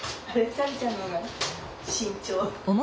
サビちゃんの方が慎重。